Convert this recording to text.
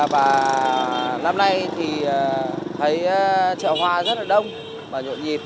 và năm nay thì thấy chợ hoa rất là đông và nhộn nhịp